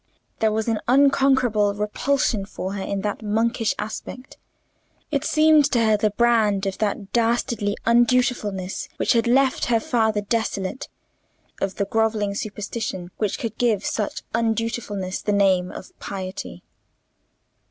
There was an unconquerable repulsion for her in that monkish aspect; it seemed to her the brand of the dastardly undutifulness which had left her father desolate—of the grovelling superstition which could give such undutifulness the name of piety.